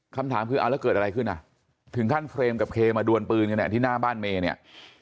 คำถามคือแล้วเกิดอะไรขึ้นถึงท่านเฟรมกับเคมาดวนปืนที่หน้าบ้านเมย์